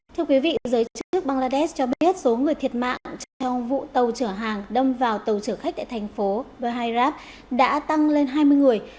thưa quý vị giới chức bangladesh cho biết số người thiệt mạng trong vụ tàu chở hàng đâm vào tàu chở khách tại thành phố berhairab đã tăng lên hai mươi người